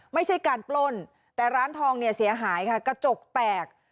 ไม่ใช่การปล้นแต่ร้านทองเนี่ยเสียหายค่ะกระจกแตก